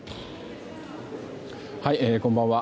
こんばんは。